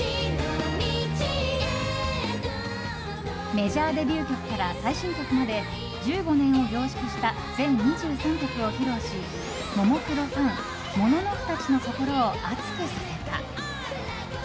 メジャーデビュー曲から最新曲まで１５年を凝縮した全２３曲を披露しももクロファンモノノフたちの心を熱くさせた。